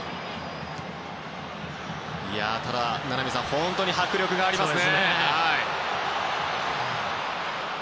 本当に迫力があります。